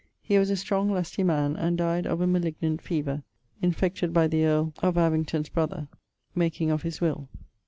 He was a strong lustie man and died of a malignant fever, infected by the earl of Abington's brother, making of his will.